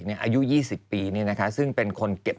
อายุ๒๐ปีซึ่งเป็นคนเก็บ